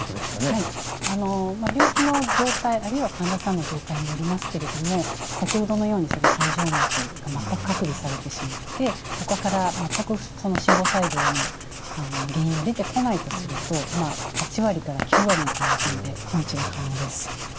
はい病気の状態あるいは患者さんの状態によりますけれども先ほどのように肺静脈が全く隔離されてしまってほかから全くその心房細動の原因が出てこないとすると８割から９割の患者さんで根治が可能です。